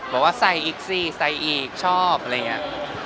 บอกว่าไซซ์อิ๊กซี่ไซซ์อีกชอบอะไรอย่างนี้